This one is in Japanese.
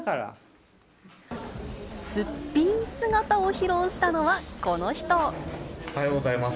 すっぴん姿を披露したのは、おはようございます。